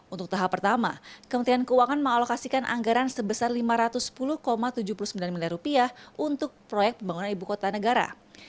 untuk tahap pertama kementerian keuangan mengalokasikan anggaran sebesar rp lima ratus sepuluh tujuh puluh sembilan miliar untuk proyek pembangunan ibu kota negara